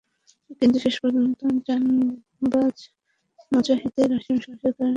কিন্তু শেষ পর্যন্ত জানবাজ মুজাহিদদের অসীম সাহসের কারণে তার ইচ্ছা আর পূরণ হল না।